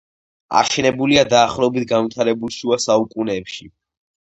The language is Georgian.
აშენებულია დაახლოებით განვითარებულ შუა საუკუნეებში.